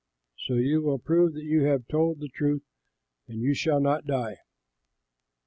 So you will prove that you have told the truth and you shall not die."